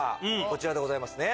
こちらでございますね。